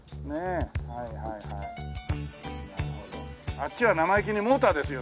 あっちは生意気にモーターですよ